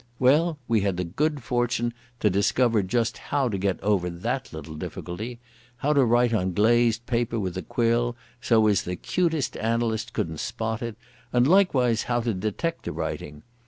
Well, we had the good fortune to discover just how to get over that little difficulty—how to write on glazed paper with a quill so as the cutest analyst couldn't spot it, and likewise how to detect the writing.